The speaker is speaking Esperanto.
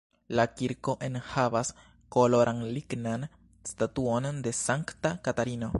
La kirko enhavas koloran lignan statuon de sankta Katarino.